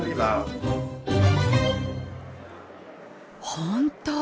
本当！